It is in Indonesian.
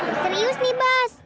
serius nih bas